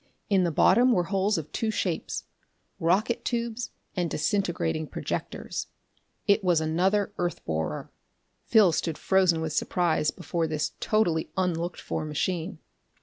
In the bottom were holes of two shapes rocket tubes and disintegrating projectors. It was another earth borer. Phil stood frozen with surprise before this totally unlooked for machine.